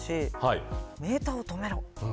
メーターを止めろ。